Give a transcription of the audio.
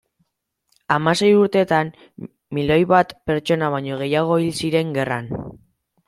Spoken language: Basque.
Hamasei urteetan milioi bat pertsona baino gehiago hil ziren gerran.